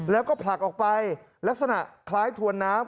แล้วก็ผลักออกไปลักษณะคล้ายถวนน้ำ